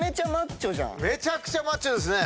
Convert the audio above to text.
めちゃくちゃマッチョですね。